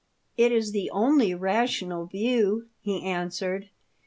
' It is the only rational view," he answered.